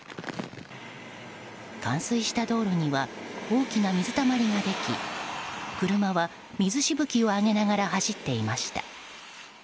冠水した道路には大きな水たまりができ車は水しぶきを上げながら走っていました。